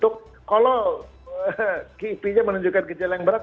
kalau kipinya menunjukkan gejala yang berat